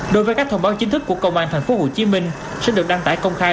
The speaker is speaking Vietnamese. đối với các thông báo chính thức của công an tp hcm sẽ được đăng tải công khai